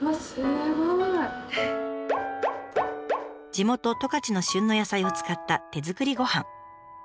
地元十勝の旬の野菜を使った手作りごはん。